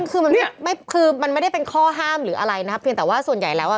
คือมันไม่คือมันไม่ได้เป็นข้อห้ามหรืออะไรนะครับเพียงแต่ว่าส่วนใหญ่แล้วอ่ะ